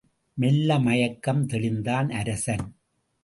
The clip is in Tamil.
மெல்ல மயக்கம் தெளிந்தான் அரசன்.